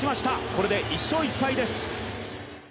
これで１勝１敗です。